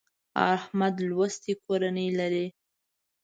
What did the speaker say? احمد لوستې کورنۍ لري.